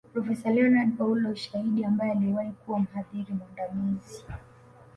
Profesa Leonard Paulo Shaidi ambaye aliwahi kuwa mhadhiri mwandamizi